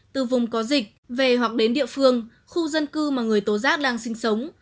từ vùng có dịch về hoặc đến địa phương khu dân cư mà người tố giác đang sinh sống